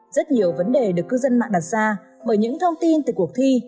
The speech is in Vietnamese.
rất nhiều vấn đề được cư dân mạng đặt ra bởi những thông tin từ cuộc thi